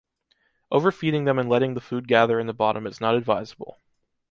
Overfeeding them and letting the food gather in the bottom is not advisable.